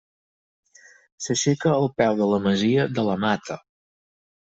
S'aixeca al peu de la masia de la Mata.